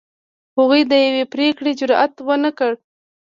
هغوی د یوې پرېکړې جرئت ونه کړ.